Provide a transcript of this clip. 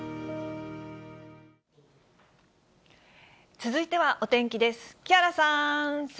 続いてはお天気です。